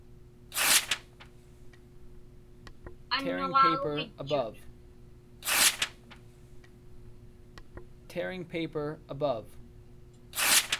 Annuġaaguŋitchut.